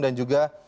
dan juga untuk buku